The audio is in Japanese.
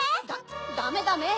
ダメダメ！